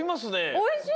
おいしい！